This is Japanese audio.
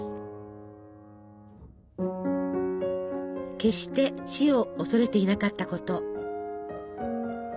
決して死を恐れていなかったこと。